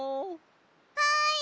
はい！